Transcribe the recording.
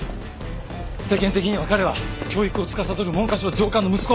世間的には彼は教育をつかさどる文科省上官の息子。